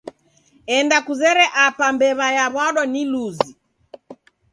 Enda kuzere apa mbew'a yawa'dwa ni luzi